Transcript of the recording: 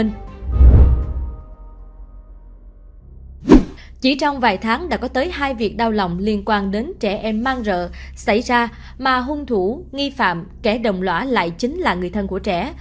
chỉ trong vài tháng đã có tới hai việc đau lòng liên quan đến trẻ em mang rợ xảy ra mà hung thủ nghi phạm kẻ đồng lõa lại chính là người thân của trẻ